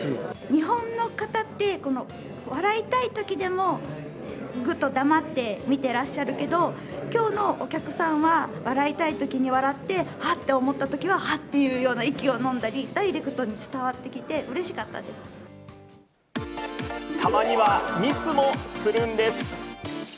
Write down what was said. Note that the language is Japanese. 日本の方って笑いたいときでも、ぐっと黙って見てらっしゃるけど、きょうのお客さんは笑いたいときに笑って、はっと思ったときは、はっていうような息をのんだり、ダイレクトに伝わってきて、たまにはミスもするんです。